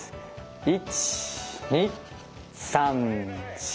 １２３４。